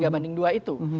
tiga banding dua itu